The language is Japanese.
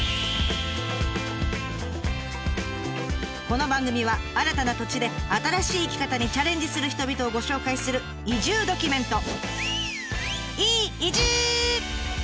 この番組は新たな土地で新しい生き方にチャレンジする人々をご紹介する移住ドキュメント！